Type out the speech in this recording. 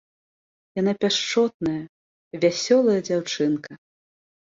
Яна пяшчотная, вясёлая дзяўчынка.